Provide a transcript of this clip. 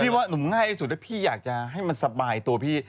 ว่าหนุ่มง่ายที่สุดถ้าพี่อยากจะให้มันสบายตัวพี่